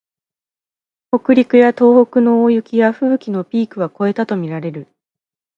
北陸や東北の大雪やふぶきのピークは越えたとみられる